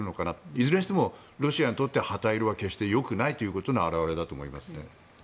いずれにしてもロシアにとっては非常に旗色がよくないことの表れだと思いますね。